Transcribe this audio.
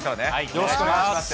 よろしくお願いします。